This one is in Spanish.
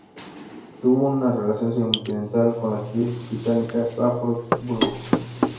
Tuvo una relación sentimental con la actriz británica Saffron Burrows.